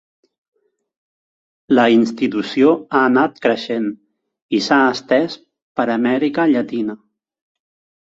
La institució ha anat creixent i s'ha estès per Amèrica Llatina.